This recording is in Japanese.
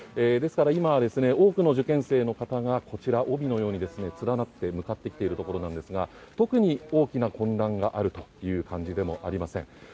ですから今は多くの受験生の方がこちら帯のように連なって向かってきているところですが特に大きな混乱があるという感じでもありません。